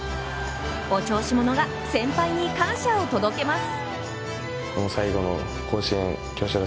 お調子者が先輩に感謝を届けます。